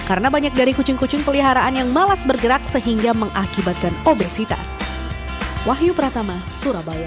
karena banyak dari kucing kucing peliharaan yang malas bergerak sehingga mengakibatkan obesitas